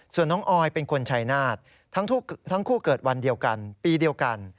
ส่วนน้องออยเป็นคนชัยนาธทั้งคู่เกิดวันเดียวกันปีเดียวกัน